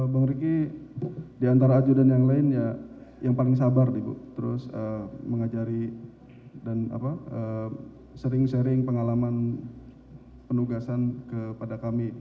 bang riki diantara ajudan yang lain ya yang paling sabar ibu terus mengajari dan sering sharing pengalaman penugasan kepada kami